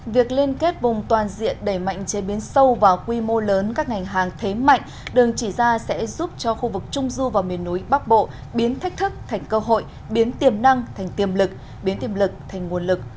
việc liên kết vùng toàn diện đẩy mạnh chế biến sâu vào quy mô lớn các ngành hàng thế mạnh đường chỉ ra sẽ giúp cho khu vực trung du và miền núi bắc bộ biến thách thức thành cơ hội biến tiềm năng thành tiềm lực biến tiềm lực thành nguồn lực